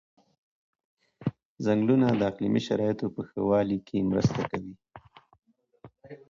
ځنګلونه د اقلیمي شرایطو په ښه والي کې مرسته کوي.